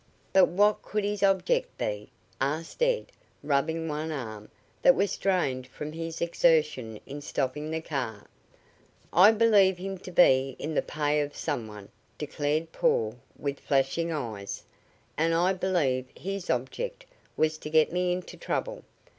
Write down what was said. "But what could his object be?" asked Ed, rubbing one arm, that was strained from his exertion in stopping the car: "I believe him to be in the pay of some one," declared Paul with flashing eyes, "and I believe his object was to get me into trouble.